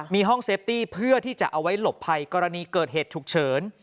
มีห้องเซฟตี้เพื่อที่จะเอาไว้หลบภัยกรณีเกิดเหตุฉุกเฉิน